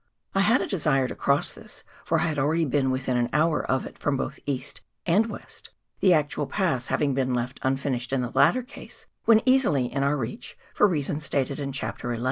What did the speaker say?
I had a desire to cross this, for I had already been within an hour of it from both east and west, the actual pass having been left unfinished in the latter case, when easily in cur reach, for reasons stated in Chapter XI.